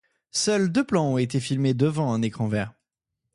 Seuls deux plans ont été filmés devant un écran vert.